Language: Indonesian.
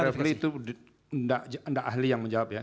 refli itu tidak ahli yang menjawab ya